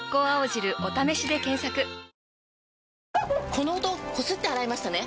この音こすって洗いましたね？